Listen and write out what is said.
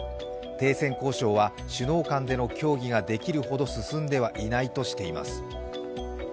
停戦交渉は首脳間での協議ができるほど進んではいないとしています。